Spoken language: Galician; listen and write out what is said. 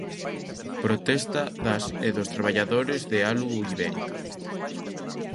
Protesta das e dos traballadores de Alu Ibérica.